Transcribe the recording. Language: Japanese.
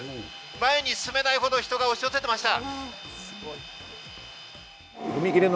前に進めないほど人が押し寄せていました。